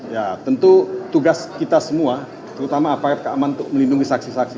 ya tentu tugas kita semua terutama aparat keamanan untuk melindungi saksi saksi